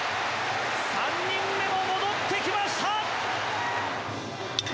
３人目も戻ってきました！